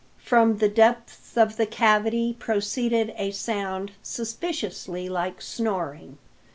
From the depths of the cavity proceeded a sound suspiciously like snoring.